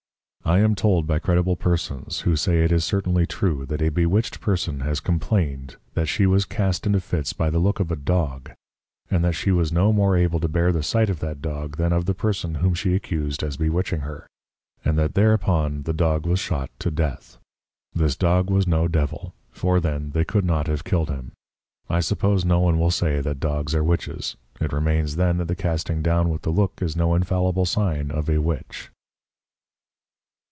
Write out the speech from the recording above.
I am told by credible Persons, who say it is certainly true, that a bewitched Person has complained that she was cast into Fits by the Look of a Dog; and that she was no more able to bear the sight of that Dog, than of the Person whom she accused as bewitching her: And that thereupon the Dog was shot to death: This Dog was no Devil; for then they could not have killed him. I suppose no one will say that Dogs are Witches: It remains then that the casting down with the Look is no infallible sign of a Witch.